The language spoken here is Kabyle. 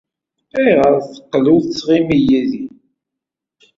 Ayɣer ay teqqel ur tettɣimi yid-i?